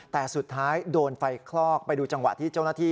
แต่สุดท้ายโดนไฟคลอกไปดูจังหวะที่เจ้าหน้าที่